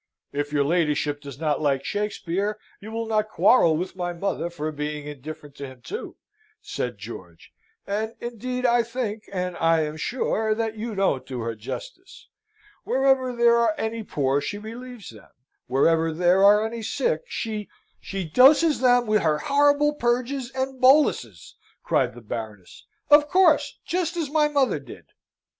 "If your ladyship does not like Shakspeare, you will not quarrel with my mother for being indifferent to him, too," said George. "And indeed I think, and I am sure, that you don't do her justice. Wherever there are any poor she relieves them; wherever there are any sick she " "She doses them with her horrible purges and boluses!" cried the Baroness. "Of course, just as my mother did!"